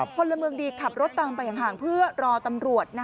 พลเมืองดีขับรถตามไปห่างเพื่อรอตำรวจ